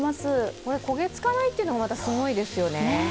これ焦げ付かないっていうのがすごいですよね。